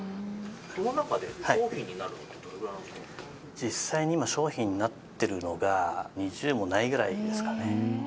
実際に今商品になってるのが２０もないぐらいですかね